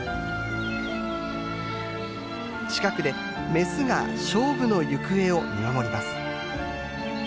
近くでメスが勝負の行方を見守ります。